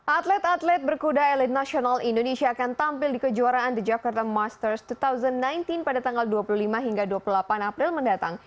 atlet atlet berkuda elit nasional indonesia akan tampil di kejuaraan the jakarta masters dua ribu sembilan belas pada tanggal dua puluh lima hingga dua puluh delapan april mendatang